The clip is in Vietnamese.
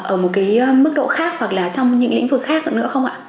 ở một cái mức độ khác hoặc là trong những lĩnh vực khác nữa không ạ